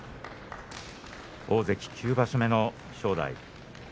大関９場所目の正代。